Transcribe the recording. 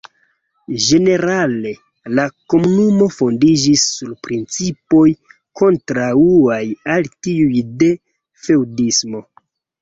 Ĝenerale la Komunumo fondiĝis sur principoj kontraŭaj al tiuj de feŭdismo.